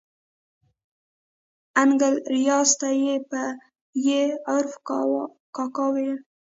انکل ریاض ته یې په ي عرف کاکا ویل.